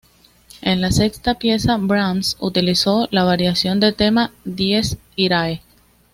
En la sexta pieza Brahms utilizó una variación del tema "Dies irae".